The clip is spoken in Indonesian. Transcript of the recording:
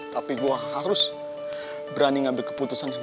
tapi gue harus berani ngambil keputusan yang bener